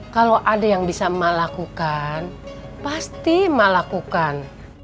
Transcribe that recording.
kalau ada yang bisa malakukan pasti malakukan